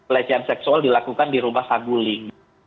lecehan seksual dilakukan di rumah sangguling